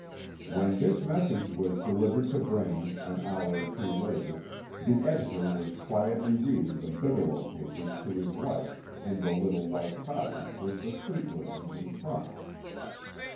When this message was delivered to Braine an hour or two later the editor was quietly reading the "Biglow Papers" to his wife in the little white cottage with the sweet williams in front.